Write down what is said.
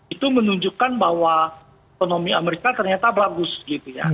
itu menunjukkan bahwa ekonomi amerika ternyata bagus gitu ya